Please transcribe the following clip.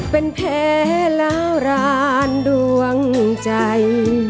เป็นแพ้แล้วร้านดวงใจ